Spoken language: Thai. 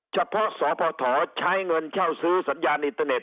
เฉพาะสพใช้เงินเช่าซื้อสัญญาณอินเทอร์เน็